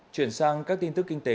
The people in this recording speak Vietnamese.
chuyển sang các tin tức kinh tế